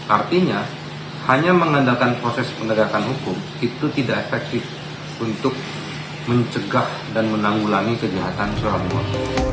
artinya hanya mengandalkan proses penegakan hukum itu tidak efektif untuk mencegah dan menanggulangi kejahatan perempuan